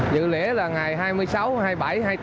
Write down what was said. dự lễ là ngày hai mươi sáu hai mươi bảy hai mươi bốn